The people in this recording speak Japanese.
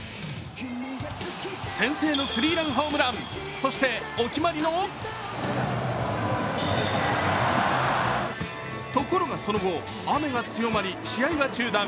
先制のスリーランホームラン、そしてお決まりのところが、その後、雨が強まり試合が中断。